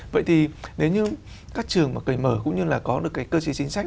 vậy thì nếu như các trường mà cởi mở cũng như là có được cái cơ chế chính sách